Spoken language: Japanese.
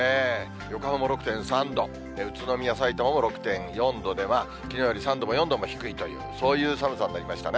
横浜６．３度、宇都宮、さいたまも６．４度で、まあ、きのうより３度も４度も低いという、そういう寒さになりましたね。